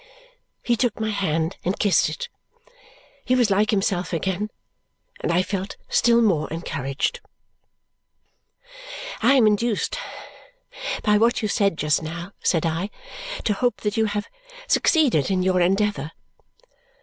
He took my hand and kissed it. He was like himself again, and I felt still more encouraged. "I am induced by what you said just now," said I, "to hope that you have succeeded in your endeavour."